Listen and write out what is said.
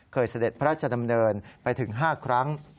เสด็จพระราชดำเนินไปถึง๕ครั้ง